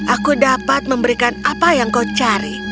aku dapat memberikan apa yang kau cari